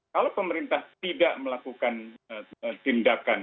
kalau pemerintah tidak melakukan tindakan